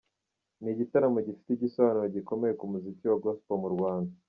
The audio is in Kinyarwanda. Ni igitaramo gifite igisobanuro gikomeye ku muziki wa gospel mu Rwanda.